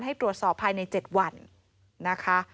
ให้ตรวจสอบภายใน๗วัน